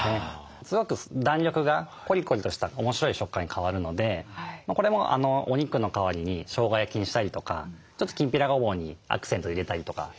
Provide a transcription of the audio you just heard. すごく弾力がコリコリとした面白い食感に変わるのでこれもお肉の代わりにしょうが焼きにしたりとかちょっときんぴらごぼうにアクセント入れたりとかしてもおいしいですね。